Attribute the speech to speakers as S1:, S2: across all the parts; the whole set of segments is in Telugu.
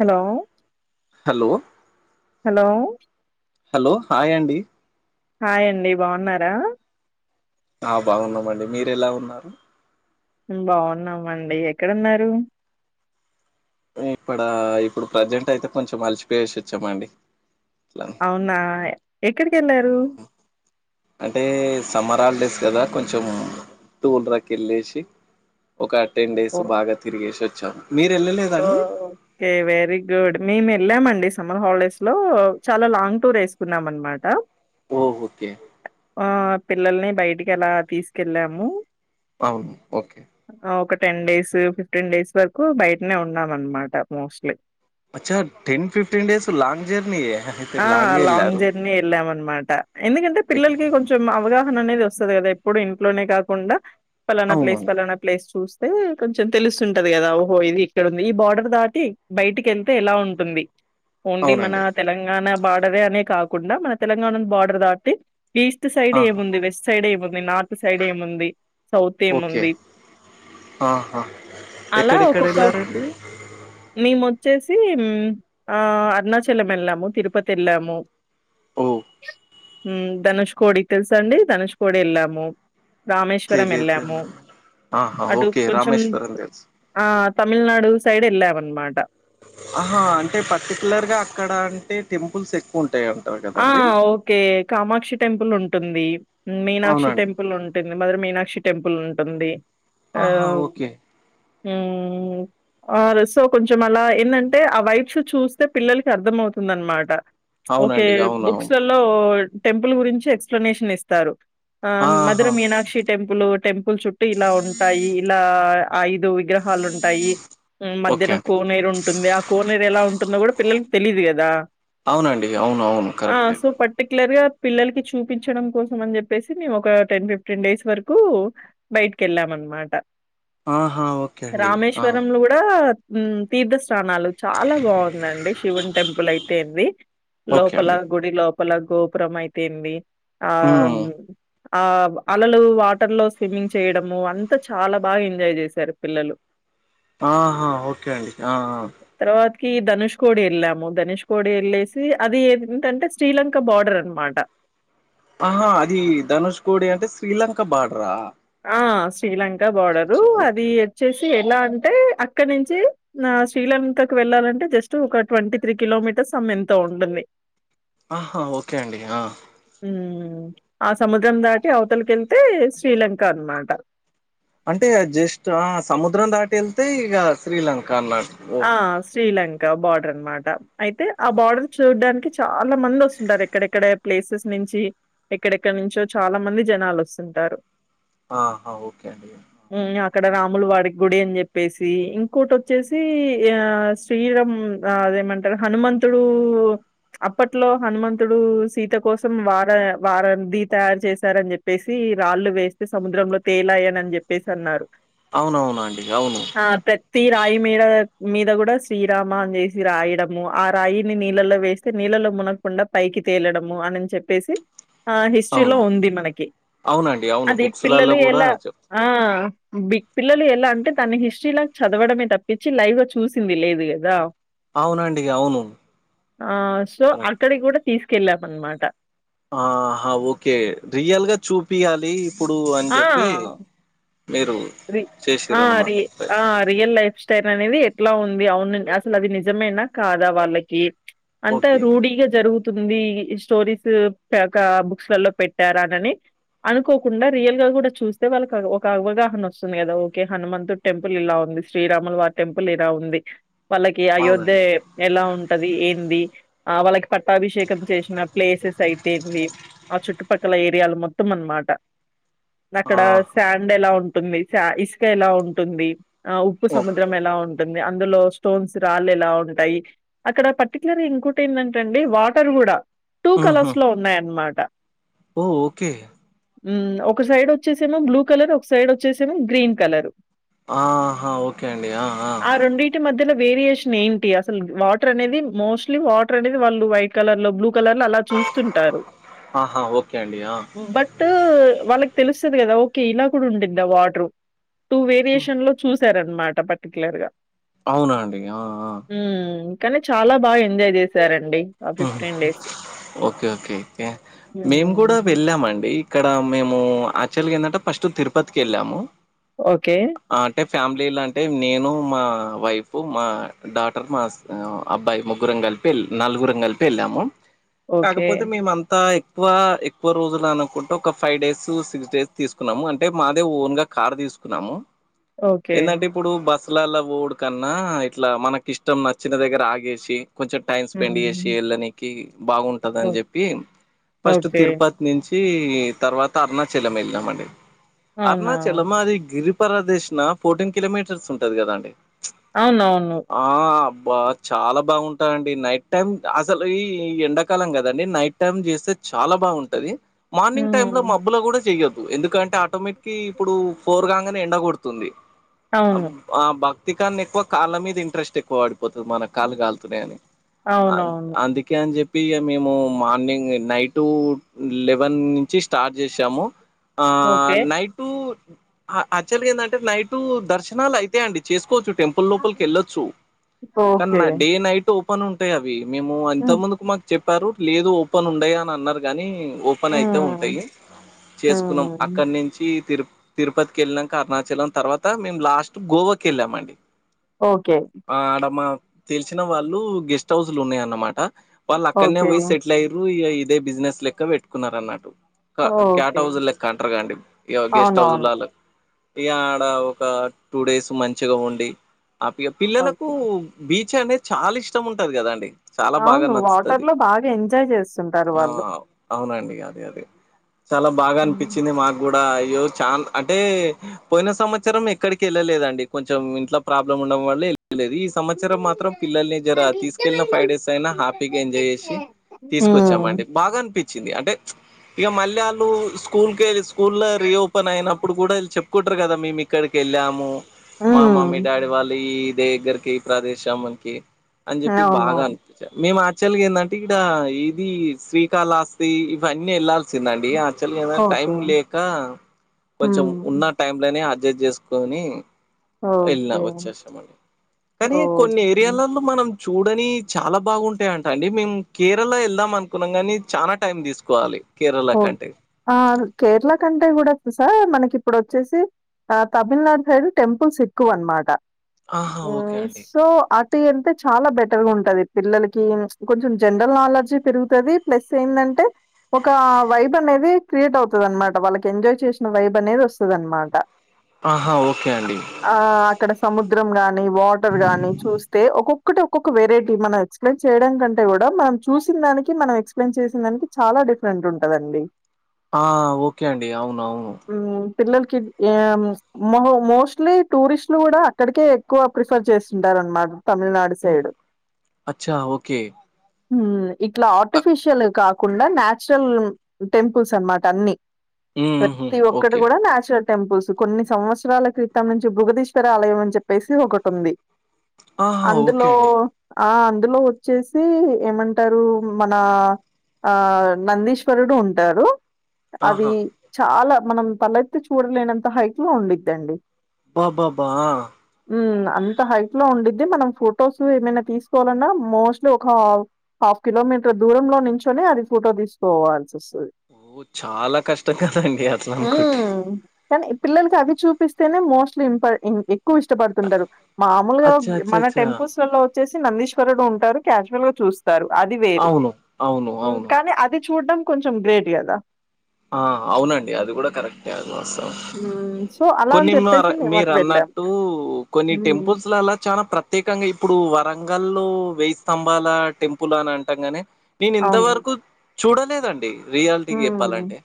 S1: Hello
S2: hello
S1: hello
S2: hello hi అండి
S1: హాయ్ అండి బాన్నారా
S2: ఆ బాగున్నామండి మీరు ఎలా ఉన్నారు
S1: బావున్నామండి ఎక్కడున్నారు
S2: ఇప్పుడ ఇప్పుడు ప్రజెంట్ అయితే కొంచెం అలిచిపోయసోచ్చామండి
S1: అవునా ఎక్కడికి ఏళ్ళారు
S2: అంటే సమ్మర్ హాలిడేస్ కదా కొంచెం టార్లకు వెళ్ళేసి ఒక టెన్ డేస్
S1: ఓ
S2: బాగా తిరిగేసి వచ్చాము
S1: ఓ ఓకే వెరగుడ్ మీ మ వెళ్ళామండి సమ్మర్ హాలిడేస్ లో చాలా లాంగ్ టూర్ వేసుకున్నాం అన్నమాట
S2: ఓకే
S1: పిల్లల్ని బయటికి ఎలా తీసుకెళ్ళాము
S2: అవును ఓకే
S1: ఆ, ఒక టెన్ డేస్ ఫిఫ్టీన్ డేస్ వరకు బయటనే ఉన్నామ్ అన్నమాట మోస్ట్లీ
S2: అచ్చ ten fifteen days long journey ఏ
S1: ఆ లాంగ్ జర్నీ వెళ్ళాం అన్నమాట ఎందుకంటే పిల్లలకి కొంచెం అవగాహ అనేది వస్తుంది కదా ఎప్పుడు ఇంట్లోనే కాకుండా పలానా ప్లేస్
S2: అవునవును
S1: పలానా ప్లేస్ చూస్త అ కొంచెం తెలుస్తుంటది కదా ఓహో ఇది ఇక్కడంది ఈ బార్డర్ దాటి బయటికి వెళ్తే ఎలా ఉంటుంది
S2: అవునండి
S1: ఓన్లీ మన
S2: అవునండి.
S1: తెలంగాణ బార్డరే అనే కాకుండా మన తెలంగాణ బార్డర్ దాటి ఈస్ట్ సైడ్
S2: ఆహా
S1: ఏముంది వెస్ట్ సైడ్ ఏముంది నార్త్ సైడ్ ఏముంది సౌత్
S2: ఓకే
S1: ఏముంది
S2: ఆహా
S1: అలా
S2: ఎక్కడెక్కడ
S1: ఒక్కొక్క
S2: వెళ్ళారండి
S1: మీము వచ్చేసి ఆ అరుణాచలం వెళ్ళాము తిరుపతి వెళ్ళాము
S2: ఓ
S1: హ ధనుష్ కోడి తెలుస అండి ధనుష్ కోడి వెళ్ళాము రామేశ్వరం వెళ్ళాము
S2: తెలియదండి ఆహా
S1: అటు
S2: ఓకే
S1: కొంచెం
S2: రామేశ్వరం తెలుసు
S1: ఆ తమిళనాడు సైడ్ వెళ్లామనమాట
S2: ఆహా అంటే పర్టికులర్ గా అక్కడ అంటే టెంపుల్స్ ఎక్కువ ఉంటా
S1: ఆ ఓకే కామాక్షి టెంపుల్ ఉంటుంది మీనాక్షి
S2: అవునండి
S1: టెంపుల్ ఉంటుంది మధర మీనాక్షి టెంపుల్ ఉంటుంది
S2: ఆహా ఓకే
S1: ఉ ఆ సో కొంచం అలా ఏందంటే ఆ వైబ్స్ చూస్తే పిల్లలకి అర్ధం అవుతుందీ అన్నమాట
S2: అవునండి
S1: బుక్స్
S2: అవునవును
S1: లలో టెంపుల్ గురించి ఎక్స్ప్లనేషన్ ఇస్తారు ఆ మధుర
S2: ఆహా
S1: మీనాక్షి టెంపుల్ టెంపుల్ చుట్టూ ఇలా ఉంటాయి ఇలా ఐయ విగ్రహాలు ఉంటాయి
S2: ఓకే
S1: మద్యనా
S2: అండి
S1: కోనేరు ఉంటుంది ఆ కోనేరు ఎలా ఉంటుందో కూడా పిల్లల తెలీదు కదా
S2: అవునండి అవునువు
S1: ఆ సో పట్టకి ర్ గా పిల్లకి చూపించడం కోసం అని చెప్పేసి మేము ఒక టెన్ ఫిఫ్టీన్ డేస్ వరకు బయట కెళ్ళామనమాట
S2: ఆహా ఓకే అండి ఆ
S1: రామేశ్వరంలో కూడా తీర్థస్థానాలు చాలా బాగుందండి శివున్ టెంపుల్ అయితే ఏంది
S2: ఓకే
S1: లోపల
S2: అండి
S1: గుడి లోపల గోపురం అయితేంది ఆ
S2: ఉమ్
S1: ఆ అలలు వాటర్ లో స్విమ్మింగ్ చేయడము అంతా చాలా బాగా ఎంజాయ్ చేశారు పిల్లలు
S2: ఆహా ఓకే అండి ఆ
S1: కి ధనుష్ కోడి వెళ్ళాము ధనుష్ కోడి వెళ్ళేసి అది ఏంటంటే శ్రీలంక బార్డర్ అనమాట
S2: ఆహా అది ధనుష్ కోడి అంటే శ్రీలంక బార్డరా
S1: ఆ శ్రీలంక
S2: అచ్చచ్చ!
S1: బార్డరు అది
S2: ఓకే
S1: వచ్చేసి ఎలా అంటే అక్కడ నుంచి శ్రీలంకకు వెళ్ళాలంటే జస్ట్ ఒక ట్వంటీ త్రీ కిలోమీటర్స్ ఎంతో ఉంటుంది
S2: ఆహా ఓకే అండి ఆ
S1: ఉమ్ ఆ సముద్రం దాటి అవతలకెళ్తే శ్రీలంక అనమాట
S2: అంటే జస్ట్ ఆ సముద్రం దాటి వెళ్తే ఇగ శ్రీలంక అన్నాడు
S1: ఆ శ్రీలం బార్డర్ అనమాట అయితే ఆ బార్డర్ చూడ్డానికి చాలా మంది వస్తుంటారు ఎక్కడెక్కడ ప్లేసెస్ నుంచి నుంచి ఎక్కడెక్కడ నుంచో చాలా మంది జనాలు వస్తుంటారు
S2: ఆహా ఓకే అండి
S1: హ్మ్. అక్కడ రాములు వాడి గుడి అని చెప్పేసి ఇంకోటి వచ్చేసి ది ఆ శ్రీరం అదేమంటారు హనుమంతుడు అప్పట్లో హనుమంతుడు సీత కోసం వార వారదీత చేశారని చెప్పేసి రాళ్లు వేస్తే సముద్రంలో తేలాయ్యన అని చెప్పేసి అన్నారు
S2: అవునవునండి అవును
S1: ఆ ప్రతి రాయు మీద కూడా శ్రీరామ అని చేసి రాయడము ఆ రాయిని నీల్లళ్లో వేస్తే నీళ్ళలో మునకుండా పైకి తేలడము అనిన్ చెప్పేసి ఆ హిస్టరీలో
S2: అవును
S1: ఉంది మనకి
S2: అవునండి అవును
S1: అది
S2: బుక్స్లలో
S1: పిల్లలు
S2: కూడా
S1: ఎలా
S2: చెప్
S1: ఆ బి పిల్లలు ఎలా అంటే తన హిస్టరీలా చదవడమే తప్పించి లైవ్ గా చూసింది లేదు గదా
S2: అవునండి అవును
S1: ఆ సో
S2: కరెక్ట్
S1: అక్కడి కూడా తీసుకెళ్ళామనమాట
S2: ఆహా ఓకే రియల్గా చూపియాలి ఇప్పుడు అని చెప్పి
S1: ఆ!
S2: మీరు
S1: రి
S2: చేసిర్రు
S1: ఆ
S2: అన్నమాట
S1: రి ఆ రియల్ స్టెప్ అనేది ఎట్లా ఉంది అవును అసలు అది నిజమేనా కాదా వాళ్ళకి అంత
S2: ఓకే
S1: రూఢీగా జరుగు ఉంది స్టోరీస్ బుక్స్ స్టాల్లో పెట్టారా అనని అనుకోకుండా రియల్ గా కూడా చూస్తే వాళ్ళకి ఒక అవగాహన వస్తుంది కదా ఓకే హనుమంతుడు టెంపుల్ ఇలా ఉంది శ్రీరాములు వారి టెంపుల్ ఇలా ఉంది వాళ్ళకి అయోధ్య
S2: అవునండి
S1: ఎలా ఉంటది ఏంది ఆ వాళ్ళకి పట్టాభిషేకం చేసిన ప్లేసెస్ అయితేంది ఆ చుట్టుపక్కల ఏరియాలు మొత్తం అనమా మాట అక్కడ
S2: ఆహా
S1: శాండ్ ఎలా ఉంటుంది ఇసుక ఎలా ఉంటుంది ఆ ఉప్పు
S2: ఓ
S1: సముద్రం ఎలా ఉంటు ఉంటుంది అందులో స్టోన్స్ రాళ్ళు ఎలా ఉంటాయి అక్కడ పర్టికులర్గా ఇంకోటి ఏందంటే అండి వాటర్ కూడా టూ
S2: ఉహు
S1: కలర్స్ లో ఉన్నాయన్నమాట
S2: ఓ ఓకే
S1: ఊ ఒక సైడ్ వచ్చేసేమో బ్లూ కలర్ ఒక సైడ్ వచ్చేసేమో గ్రీన్ కలర్
S2: ఆహా ఓకే అండి ఆ ఆ
S1: రెండిటి మధ్యలో వేరియేషన్ ఏంటి అసలు వాటర్ అనేది మోస్ట్లీ వాటర్ అనేది వాళ్ళు వైట్ కలర్ లో బ్లూ అలా చూస్తుంటారు
S2: ఆహా ఓకే అండి ఆ
S1: బట్ మ్మ్ వాళ్లకి తెలుస్తది కదా ఓకే ఇలా కూడా ఉండిద్దా వాటర్ టూ వేరియేషన్ లో చూస్ సర అనమాట పట్టికలర్గా
S2: అవునండి ఆ ఆ
S1: కానీ చాలా బాగా ఎంజాయ్ చేసారండి
S2: ఓకే ఓకే ఓకే మేము కూడా
S1: హ్మ్.
S2: వెళ్ళామండి ఇక్కడ మేము యాక్చువల్గా ఏందంటే ఫస్ట్ తిరుపతికి వెళ్ళాము
S1: ఓకే
S2: ఫ్యామిలీలా అంటే నేను మా వైఫ్ మా డాటర్ మా అబ్బాయి ముగ్గురం గ కలిపి నలుగురుం కలిపి వెళ్ళాము
S1: ఓకే.
S2: కాకపోతే మేముంతా ఎక్కువ ఎక్కువ రోజులు అనుకుంటే ఒక ఫైవ్ డేస్ సిక్స్ డేస్ తీసుకున్నాము అంటే మాదే ఓన్ గా కార్ తీసుకు న్నాము
S1: ఓకే.
S2: ఏందంటే ఇప్పుడు బస్ ఇట్లాలా పోవుడు కన్నా ఇట్లా మనకి ఇష్టం నచ్చిన దగ్గర ఆగేసి కొంచెం టైం స్పెండ్ చేసి
S1: హ్మ్.
S2: వెళ్ళడానికి బాగుంటది అని
S1: ఓ
S2: చెప్పి ఫస్ట్
S1: ఓకే.
S2: తిరుపతి నుంచి ఈ తర్వాత అరుణాచలం వెళ్లినమండి
S1: అవునా!
S2: అరుణాచలం అది గిరి ప్రదక్షణ ఫోర్టీన్ కిలోమీటర్స్ ఉంటది కదాండి
S1: అవునవును
S2: బా చాలా బాగుంటాయిండి నైట్ టైం అసలు ఈ ఎండాకాలం కదండి నైట్ టైం చేస్తే చాలా బాగుంటది మార్నింగ్ టైమ్ లో
S1: హ్మ్.
S2: మబ్బుల కూడా చెయ్యొద్దు ఎందుకంటే ఆటోమేటిక్ ఇప్పుడు ఫోర్గాంగానే ఎండకడుతుంది
S1: అవును.
S2: ఆ భక్తికాన్ని ఎక్కువ కాళ్ళ మీద ఇంట్రెస్ట్ ఎక్కువ వాడి పోతు మన కాలు కాల్తున్నాయి అని
S1: అవునవును.
S2: అందుకే అని చెప్పి ఇగా మేము మార్నింగ్ నైన్ లెవెన్ నుంచి స్టార్ట్ చేసాము ఆ
S1: ఓకే.
S2: నైట్టు ఆ యాక్చువల్గా ఏంటంటే నైటు దర్శనాలు అయితే అండి చేసుకోవచ్చు టెంపుల్ లోపలికి వెళ్ళొచ్చు
S1: ఓకే.
S2: కానీ డే నైట్ ఓపెన్ ఉంటాయి అవి మేము
S1: హ్మ్.
S2: అంతమందుకు మాకు చెప్పారు లేదు ఓపెన్ ఉండయా అని అన్నారు కానీ ఓపెన్ అయితే
S1: హ్మ్.
S2: ఉంటాయి చేసుకున్నాం
S1: హ్మ్.
S2: అక్కడ నుంచి తిరు తిరుపతికి వెళ్ళినాక అరుణాచలం తర్వాత మేము లాస్ట్ గోవాకి వెళ్ళామ అండి
S1: ఓకే.
S2: ఆ ఆడ మా తెలిసిన వాళ్ళు గెస్ట్ హౌస్లు ఉన్నాయన్నమాట వాళ్ళు అక్కడనే
S1: ఓకే.
S2: పోయి సెటిల్ అయ్యారు ఇదే బిజినెస్ లెక్క పెట్టుకున్నారుారఅన్నట్టు క్యాట్
S1: ఓకే.
S2: హౌజ లెక్క అంటారుగాండి ఇగా గస్ట్ హౌస్
S1: అవునవును.
S2: ఇగా ఆడ ఒక టూ డేస్ మంచిగా ఉండి ఆ పిల్లలకు
S1: ఓకే.
S2: బీచ్ అంటే చాలా ఇష్టం ఉంటాది కదా అండి చాలా బాగా
S1: అవును.
S2: నచ్చుతాది
S1: వాటర్‌లో బాగా ఎంజాయ్ జేస్తుంటారు
S2: ఆ
S1: వాళ్ళు.
S2: అవునండి అదే అదే చాలా బాగా
S1: హ్మ్.
S2: అనిపించింది మాకు కూడా చా అంటే పోయిన సంవత్సరం ఎక్కడికి వెళ్ళలేదండి కొంచెం ఇంట్లో ప్రాబ్లం ఉండడం వల్ల లేదు ఈవత్సరం మాత్రం పిల్లల్ని జర తీసుకెళ్లిిన ఫైవ్ డేస్ అయినా హ్యాపీగా ఎంజాయ్ చేసి
S1: హ్మ్.
S2: తీసుకొచ్చామండి బాగా అనిపించంది వచ్చింది అంటే ఇక మళ్ళీ వాళ్ళు స్కూల్ క వెళ్ళి స్కూల్ రియో పన అయినప్పుడు కూడాు చెప్పుకుంటారు కదా మేము ఇక్కడికి వెళ్ళాము మా మమ్మీ
S1: హ్మ్.
S2: డాడీ వాళ్ళు దగ్గరికి ఈ ప్రదేశం మనకి అని చెప్పి బాగా
S1: అవునవును.
S2: అనిపించారు మేము చ్చల్గా ఏంటంటే ఇక్కడ ఈది శ్రీకాళస్తి ఇవన్నీ వెళ్ళాల్సి దండి యాక్చువల్ ఏద టైం
S1: ఓకే.
S2: లేక కొంచెం
S1: హ్మ్.
S2: ఉన్న టైం లే అడ్జస్ట్ చేసుకొని
S1: ఓకే.
S2: కానీ కొన్ని
S1: ఓకే.
S2: ఏరియాలలో మనం చూడని చాలా బాగుంటాయంట అండి మేము కేరళ వెళ్దాం అనుకున్నాం కానీ చానా టైం తీసుకోవాలి కేరళ
S1: ఓ
S2: కంటే
S1: ఆ కేరళ కంటే కూడా స మనకి ఇప్పుడు వచ్చేసి ఆ తమిళనాడు సైడ్ టెంపుల్స్ ఎక్కువ అనమాట
S2: ఆహా ఓకే అండి
S1: టీ అంటే చాలా బెటర్ గా ఉంటది పిల్లలకి కొంచెం జనరల్ నాలెడ్జ పెరుగుతుంది ప్లస్ ఏందంటే ఒక వైబ్ అనేది క్రియేట్ అవుతది అనమాట వాళ్ళకి ఎంజాయ్ చేసిన వైబ్ అనేది వస్తది అనమాట
S2: ఆహా ఓకే అండి
S1: అక్కడ సముద్రం గానీ వాటర్ గాని చూస్తే ఒక్కొక్కటి ఒక్కొక్క వెరైటీ మనం ఎక్స్ప్లెయిన్ చేయడం కంటే కూడా మనం చూసిన దానికి మనం ఎక్స్ప్లెయిన్ చేసిన దానికి చాలా డిఫరెంట్ ఉంటదండి
S2: ఆ ఓకే అండి అవును అవును
S1: హ్మ్. పిల్లలకి య మో మోస్ట్లీ టూరిస్ట్లు కూడా అక్కడికే ఎక్కువ ప్రిఫర్ చేస్తుంటారు అనమాట
S2: ఓ అచ్చా ఓకే
S1: ఇట్లా
S2: ఆహ్,
S1: ఆర్టిఫిషియల్ కాకుండా నాచురల్ టెంపుల్స్ అనమాట అన్ని
S2: హుహు.
S1: ప్రతి ఒక్కటి
S2: ఓకే
S1: కూడా నాచురల్ టెంపుల్స్ కొన్ని సంవత్సరాల క్రితం నుంచి భుగదీశ్వర ఆలయం అని చెప్పేసి ఒకటి ఉంది
S2: ఆహా ఓకే అండి
S1: ఆ అందులో వచ్చేసి ఏమంటారు మన ఆ నందీశ్వరుడు ఉంటారు
S2: ఆహా
S1: అది చాలా మనం తలెత్తి చూడలేనంత హైట్ లో ఉండిద్దండి
S2: అబ్బబ్బ ఆ
S1: ఉ అంత హైట్ లో ఉండిద్ది మనం ఫొటోస్ ఏమైనా తీసుకోవాలన్నా మోస్ట్లీ ఒక హాఫ్ కిలోమీటర్ దూరంలో నుంచోనే అది ఫోటో తీసుకోవాలి వస్తది
S2: ఓ చాలా కష్టం కదండి అట్లా
S1: ఊ
S2: అనుకుంటే
S1: కని పిల్లలకి అవి చూపిస్తేనే మోస్ట్లీ ఇంప ఎక్కువ ఇష్టపడుతుంటారు మామూలుగా
S2: అచ్చ అచ్చ
S1: మన
S2: అచ్చ
S1: టెంపుల్స్ లలో వచ్చేసి నందీశ్వరుడు ఉంటారు క్యాజువల్ గా చూస్తారు అది వేరు
S2: అవును అవును అవును
S1: కాని అది చూడ్డం కొంచెం గ్రేట్ కదా
S2: ఆ అవునండి అది కూడా కరెక్టే అది మాస్తం
S1: హ్మ్. సో, అలా అని
S2: కొన్ని మర
S1: చెప్పేసి
S2: మీరు
S1: మేమటు వెళ్ళాం.
S2: అన్నట్టు కొన్ని
S1: హ్మ్.
S2: టెంపుల్స్ లలా చాలా ప్రత్యేకంగా ఇప్పుడు వరం గంల్లో వెయ్యి స్తంభాల టెంపుల్ అని అంటాం గాని నేను
S1: అవును.
S2: ఇంతవరకు చూడలేదండి రియాలిటీకి
S1: హ్మ్.
S2: చెప్పాలంటే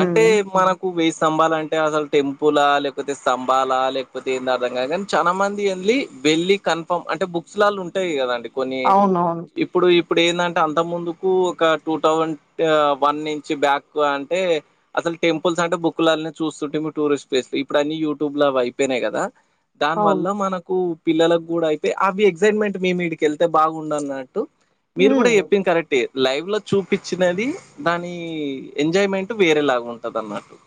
S2: అంటే మనకు వే స్తంభాలంటె అసలు టెంపులా లేకపోతే స్తంభాల లేకపోతే ఏంద అర్థంగా గానీ చాలా మంది ఎళ్లీ వెళ్ళి కన్ఫర్మ్ అంటే బుక్స్ లాళ్ళు ఉంటాయి కదాండి కొన్ని
S1: అవునవును.
S2: ఇప్పుడు ఇప్పుడు ఏందంటే అంత ముందుకు ఒక టూ థౌజండ్ వన్ నుంచి బ్యాక్ ఎక్కువ అంటే అసలు టెంపుల్స్ అంటే బుక్లనే చూస్తుంటిమీ టూరిస్ట్ ప్లేస్లు ఇప్పుడు అన్ని యూట్యూబ్ లా అవి అయిపో నయి కదా దాని
S1: అవును.
S2: వల్ల మనకు పిల్లలకు కూడా అయితే అవి ఎగ్సైట్మెంట్ మేము మీడికి వెళ్తే బాగుండన్నట్టు మీరు కూడా
S1: హ్మ్.
S2: చెప్పింది కరెక్టే లైవ్ లో చూపించినది దాని ఎంజాయ్మెంట్ వేరే లాగా ఉంటదన్నట్టు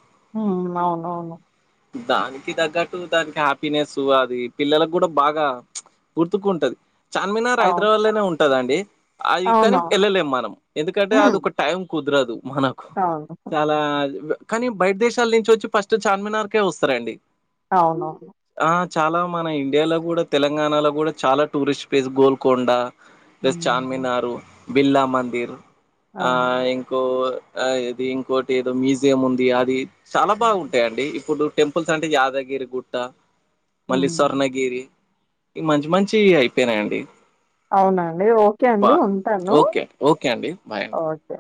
S1: ఉ అవునవును
S2: దానికి తగ్గట్టు దానికి హ్యాపీనెస్ అది పిల్లలకు కూడా బాగా గుర్తుకుంటది చార్మినార్
S1: అవును.
S2: హైదరాబాద్ లోనే ఉంటదండి అది కానీ
S1: అవునవును.
S2: ఎళ్ళలేము మనం ఎందుకంటే అది
S1: హ్మ్.
S2: ఒక టైం కుదరదు మనకు
S1: అవును.
S2: చాలా కానీ బయట దేశాల నుంచి వచ్చి ఫస్ట్ చార్మినార్కే వస్తరండి
S1: అవునవును
S2: చాలా మన ఇండియాలో కూడా తెలంగాణలో కూడా చాలా టూరిస్ట్ ప్లేస్ గోల్కొండ ప్లస్
S1: హ్మ్.
S2: చార్మినార్ బిర్లా మందిర్ ఆ
S1: అవును.
S2: ఇంకో ఆ ఇది ఇంకోటి ఏదో మ్యూజియం ఉంది అది చాలా బాగు
S1: హ్మ్.
S2: ఉంటాయండి ఇప్పుడు టెంపుల్స్ అంటే యాదగిరి గుట్ట మళ్ళీ
S1: హ్మ్.
S2: స్వర్ణగిరి ఈ మంచి మంచి అయిపోయినాయండి
S1: అవునండి. ఓకే
S2: బా
S1: అండి. ఉంటాను.
S2: ఓకే ఓకే అండి బాయ్ అండి
S1: ఓకే.